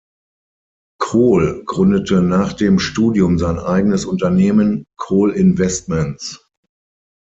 Kohl gründete nach dem Studium sein eigenes Unternehmen "Kohl Investments".